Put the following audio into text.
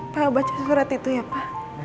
papa baca surat itu ya pa